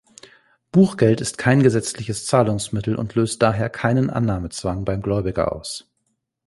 Buchgeld ist kein gesetzliches Zahlungsmittel und löst daher keinen Annahmezwang beim Gläubiger aus.